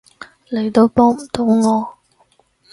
你都幫唔到我